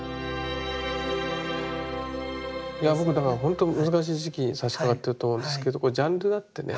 いや僕だからほんと難しい時期にさしかかってると思うんですけどこれジャンルだってね